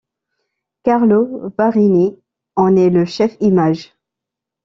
Carlo Varini en est le chef images.